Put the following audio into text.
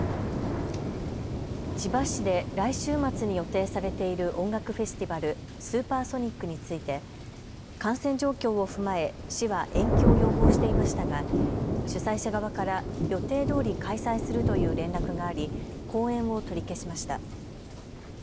千葉市で来週末に予定されている音楽フェスティバル、スーパーソニックについて感染状況を踏まえ市は延期を要望していましたが主催者側から予定どおり開催するという連絡があり後援を取り消しました。